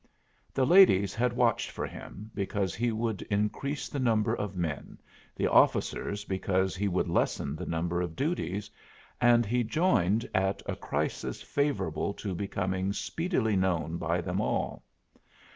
The ladies had watched for him, because he would increase the number of men, the officers because he would lessen the number of duties; and he joined at a crisis favorable to becoming speedily known by them all.